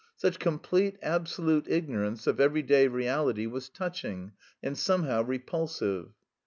Such complete, absolute ignorance of everyday reality was touching and somehow repulsive.